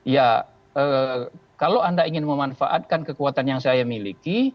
ya kalau anda ingin memanfaatkan kekuatan yang saya miliki